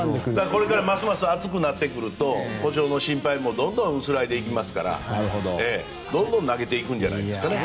これからますます暑くなってくると故障の心配も薄らぎますからどんどん投げていくんじゃないんですかね。